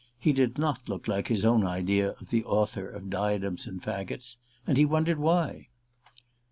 He did not look like his own idea of the author of "Diadems and Faggots" and he wondered why.